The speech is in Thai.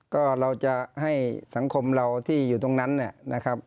ก็เราจะให้สังคมเราที่อยู่ตรงนั้นเนี่ยนะครับ